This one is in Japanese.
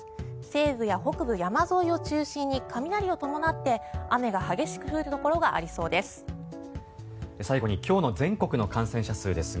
西部や北部山沿いを中心に雷を伴って雨が激しく降るところがありそうです。